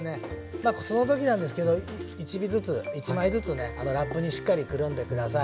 まあその時なんですけど１尾ずつ１枚ずつねラップにしっかりくるんで下さい。